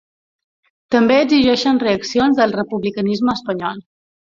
També exigeixen reaccions del republicanisme espanyol.